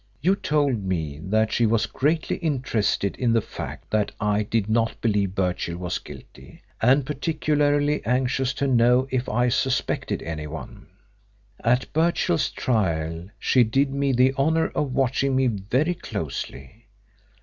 You told me that she was greatly interested in the fact that I did not believe Birchill was guilty, and particularly anxious to know if I suspected anyone. At Birchill's trial she did me the honour of watching me very closely.